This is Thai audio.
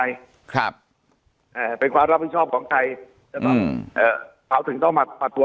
ใครครับเป็นความรับผิดชอบของใครเราถึงต้องมาปรับตัว